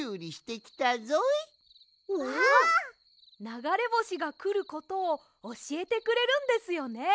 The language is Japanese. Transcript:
ながれぼしがくることをおしえてくれるんですよね。